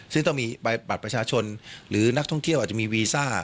ซึ่งต้องมีใบบัตรประชาชนหรือนักท่องเที่ยวอาจจะมีวีซ่า